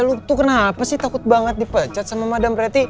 lu tuh kenapa sih takut banget dipecat sama madam preti